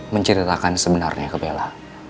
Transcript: menceritakan sebenarnya ke bella